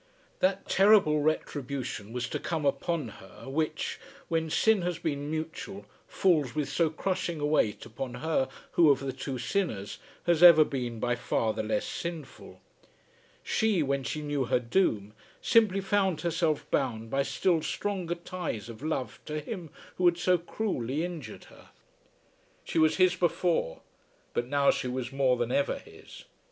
That terrible retribution was to come upon her which, when sin has been mutual, falls with so crushing a weight upon her who of the two sinners has ever been by far the less sinful. She, when she knew her doom, simply found herself bound by still stronger ties of love to him who had so cruelly injured her. She was his before; but now she was more than ever his.